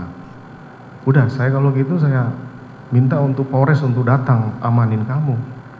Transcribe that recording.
sudah kalau begitu saya minta untuk kores untuk datang amanin kamu